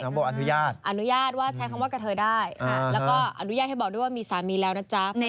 บอกอนุญาตอนุญาตว่าใช้คำว่ากระเทยได้แล้วก็อนุญาตให้บอกด้วยว่ามีสามีแล้วนะจ๊ะ